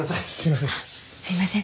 すいません。